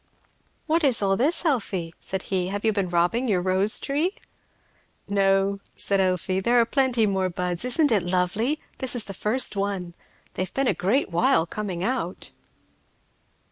"What is all this, Elfie?" said he. "Have you been robbing your rose tree?" "No," said Elfie; "there are plenty more buds! Isn't it lovely? This is the first one. They've been a great while coming out."